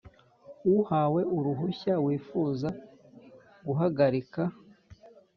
Uwahawe uruhushya wifuza guhagarika